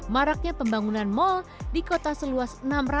maraknya pembangunan mal di kota seluas enam ratus